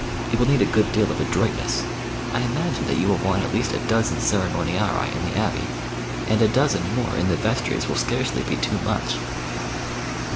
It will need a good deal of adroitness. I imagine that you will want at least a dozen Ceremoniarii in the Abbey; and a dozen more in the vestries will scarcely be too much."